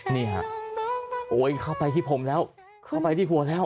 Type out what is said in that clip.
นี่ฮะโอ้ยเข้าไปที่ผมแล้วเข้าไปที่หัวแล้ว